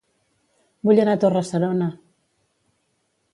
Vull anar a Torre-serona